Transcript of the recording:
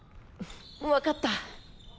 わかった。